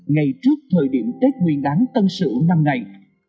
ngay trước thời điểm tết nguyên đáng tân sử năm này